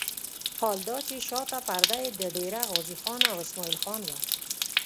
حال دا چې شاته پرده یې د ډېره غازي خان او اسماعیل خان وه.